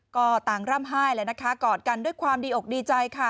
ก็ต่างร่ำไห้แล้วนะคะกอดกันด้วยความดีอกดีใจค่ะ